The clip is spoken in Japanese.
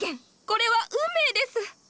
これは運命です！